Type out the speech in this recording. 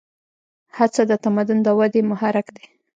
هڅه د تمدن د ودې محرک دی.